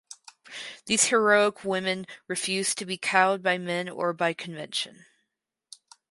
These heroic women refuse to be cowed by men or by convention.